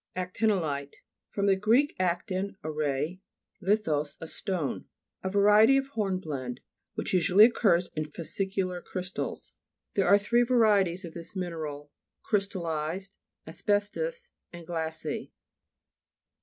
ACTIN'OLITE and ACTY'XOLITE fr. gr. aktin, a ray ; lithos, a stone. A variety of hornblende which usually occurs in fascicular crystals. There are three varieties of this mineral ; crystallized, asbestous, and glassy.